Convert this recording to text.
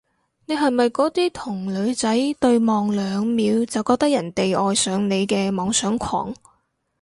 你係咪嗰啲同女仔對望兩秒就覺得人哋愛上你嘅妄想狂？